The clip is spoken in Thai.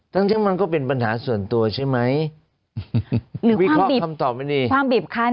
ตั้งแต่ว่ามันก็เป็นปัญหาส่วนตัวใช่ไหม